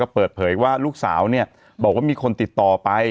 เปิดเผยว่าลูกสาวบอกว่ามีคนติดต่อไป